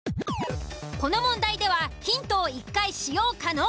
この問題ではヒントを１回使用可能。